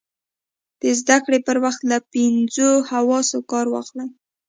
د زده کړې پر وخت له پینځو حواسو کار واخلئ.